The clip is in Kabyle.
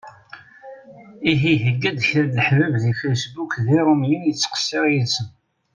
Ihi yega-d kra n leḥbab di Facebook d iṛumyen yettqessiṛ yid-sen.